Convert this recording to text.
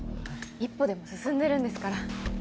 １歩でも進んでるんですから。